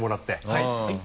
はい。